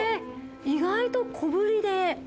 意外と小ぶりで。